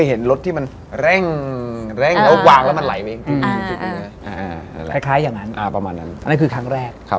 เอาเหรอ